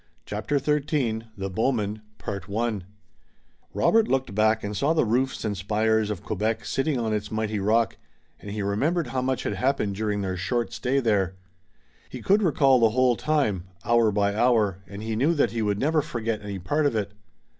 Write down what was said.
CHAPTER XIII THE BOWMEN Robert looked back and saw the roofs and spires of Quebec sitting on its mighty rock, and he remembered how much had happened during their short stay there. He could recall the whole time, hour by hour, and he knew that he would never forget any part of it.